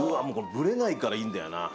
もうブレないからいいんだよな